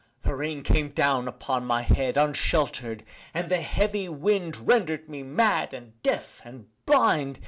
The rain came down upon my head Unshelter'd and the heavy wind Rendered me mad and deaf and blind.